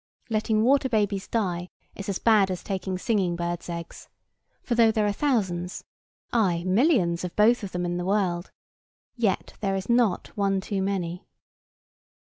Letting water babies die is as bad as taking singing birds' eggs; for, though there are thousands, ay, millions, of both of them in the world, yet there is not one too many.